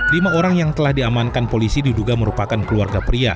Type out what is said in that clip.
lima orang yang telah diamankan polisi diduga merupakan keluarga pria